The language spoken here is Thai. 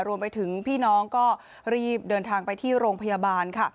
รวมไปถึงพี่น้องก็รีบเดินทางไปที่โรงพยาบาลค่ะ